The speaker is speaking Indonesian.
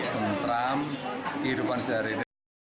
menteram kehidupan sehari ini